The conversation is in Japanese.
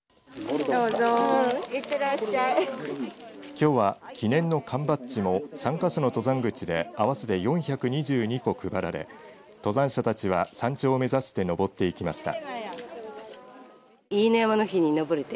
きょうは記念のカンバッジも参加者の登山口で合わせて４２２個配られ登山者たちが山頂を目指して登っていきました。